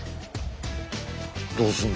どうすんの？